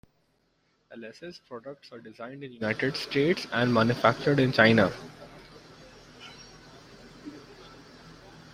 Alesis products are designed in the United States and manufactured in China.